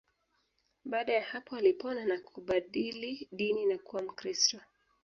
Baada ya hapo alipona na kubadili dini na kuwa Mkristo